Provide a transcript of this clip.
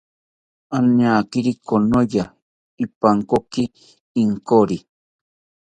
Añakiri konoya ipankoki inkori